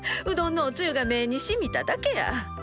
うどんのおつゆが目にしみただけや。